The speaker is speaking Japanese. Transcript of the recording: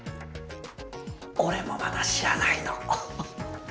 俺もまだ知らないの。